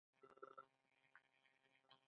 آیا یزد د خښتو لرغونی ښار نه دی؟